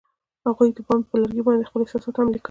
هغوی د بام پر لرګي باندې خپل احساسات هم لیکل.